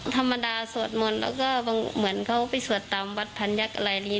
ธรรมดาสวดมนต์แล้วก็เหมือนเขาไปสวดตามวัดพันยักษ์อะไรนี้